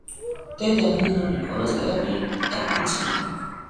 დედა, ნინო ნიკოლაძე პედაგოგი და პუბლიცისტი იყო.